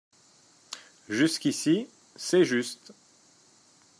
Jusqu’ici, c’est juste.